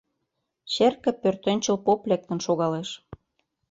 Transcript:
Черке пӧртӧнчыл поп лектын шогалеш.